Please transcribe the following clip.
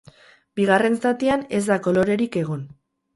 Bigarren zatian ez da kolorerik egon.